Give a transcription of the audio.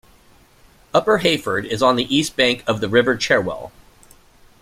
Upper Heyford is on the east bank of the River Cherwell.